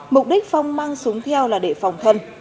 mục đích phong mang súng theo là để phòng thân